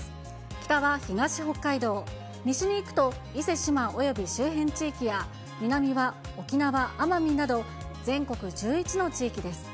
北は東北海道、西に行くと、伊勢志摩および周辺地域や、南は沖縄・奄美など、全国１１の地域です。